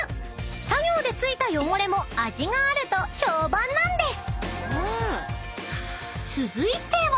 ［作業で付いた汚れも味があると評判なんです］